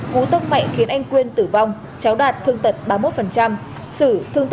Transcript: hú tốc mạnh khiến anh quyên tử vong cháu đạt thương tật ba mươi một xử